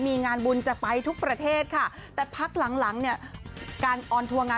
มันก็บริการในเรื่องของภูตสาสนา